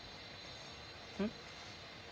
うん？